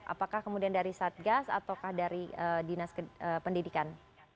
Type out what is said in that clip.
apakah kemudian dari satgas ataukah dari dinas pendidikan